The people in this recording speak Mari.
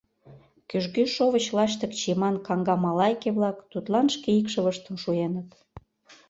Кӱжгӱ шовыч лаштык чийыман каҥга малайке-влак тудлан шке икшывыштым шуеныт.